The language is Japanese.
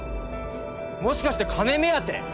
もしかして金目当て？